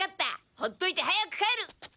ほっといて早く帰る！